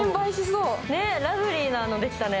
ラブリーなのができたね。